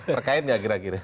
perkait nggak kira kira